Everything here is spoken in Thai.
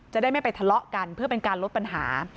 จะได้ไม่ไปทะเลาะกันเพื่อเป็นการลดปัญหา